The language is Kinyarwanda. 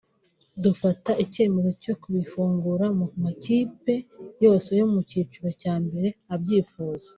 dufata icyemezo cyo kurifungura ku makipe yose yo mu cyiciro cya mbere abyifuza”